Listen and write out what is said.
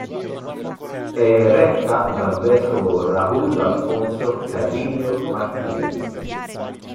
È retta dal vescovo Raúl Alfonso Carrillo Martínez.